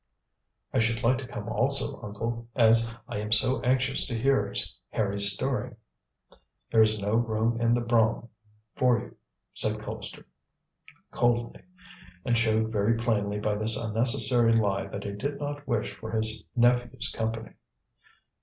"I should like to come also, uncle, as I am so anxious to hear Harry's story." "There is no room in the brougham for you," said Colpster, coldly, and showed very plainly by this unnecessary lie that he did not wish for his nephew's company.